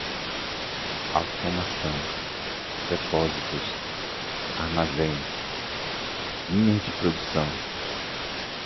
automação, depósitos, armazéns, linhas de produção